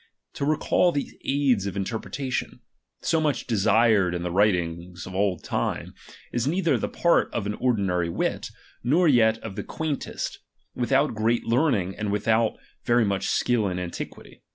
To recall these aids of interpretation, so much de sired in the writings of old time, is neither the part of an ordinary wit, nor yet of the quaintest, without great learning and very much skill in antiquity.